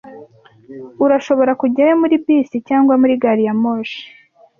Urashobora kujyayo muri bisi cyangwa muri gari ya moshi.